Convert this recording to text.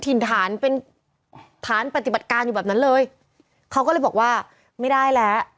ถิ่นฐานเป็นฐานปฏิบัติการอยู่แบบนั้นเลยเขาก็เลยบอกว่าไม่ได้แล้ว